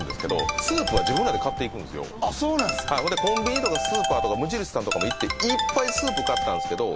コンビニとかスーパーとか無印さんとかも行っていっぱいスープ買ったんですけど。